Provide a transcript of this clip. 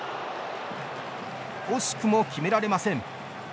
惜しくも決められません。